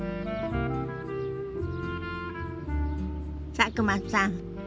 佐久間さん